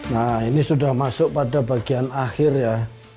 nah ini sudah masuk pada bagian akhir ya